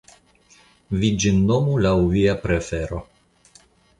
Vi ĝin nomu laŭ via prefero.